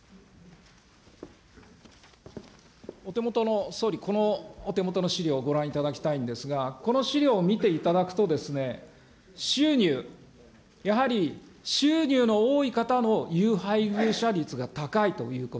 お手元の総理、このお手元の資料、ご覧いただきたいんですが、この資料を見ていただくと、収入、やはり収入の多い方の有配偶者率が高いということ。